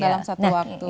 dalam satu waktu